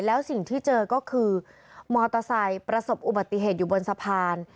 แล้วสิ่งที่เจอก็คือมอเตอร์ไซค์ประสบอุบัติเหตุอยู่บนสะพาน